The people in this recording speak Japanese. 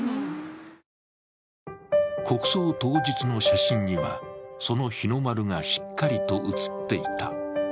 国葬当日の写真はその日の丸がしっかりと写っていた。